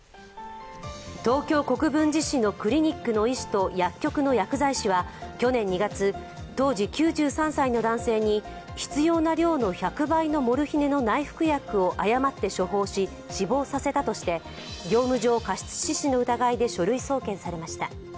東京・国分寺市のクリニックの医師と薬局の薬剤師は去年２月、当時９３歳の男性に必要な量の１００倍のモルヒネの内服薬を誤って処方し死亡させたとして、業務上過失致死の疑いで書類送検されました。